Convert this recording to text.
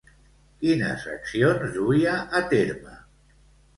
Quines accions duia a terme?